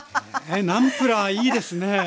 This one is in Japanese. えナムプラーいいですね